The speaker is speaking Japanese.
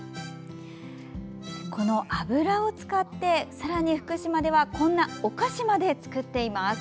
この油を使ってさらに福島ではこんなお菓子まで作っています。